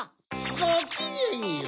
ごきげんよう！